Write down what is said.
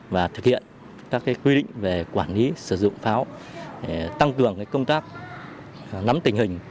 và thực hiện các quy định về quản lý sử dụng pháo tăng cường công tác nắm tình hình